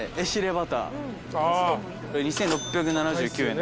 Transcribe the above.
２，６７９円。